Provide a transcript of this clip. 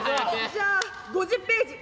じゃあ５０ページ。